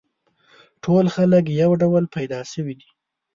ټول خلک یو ډول پیدا شوي دي.